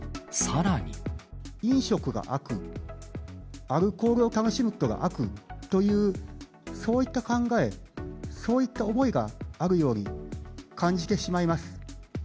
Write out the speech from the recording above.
飲食が悪、アルコールを楽しむことが悪という、そういった考え、そういった思いがあるように感じてしまいます。